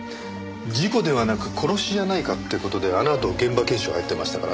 事故ではなく殺しじゃないかって事であのあと現場検証入ってましたからね。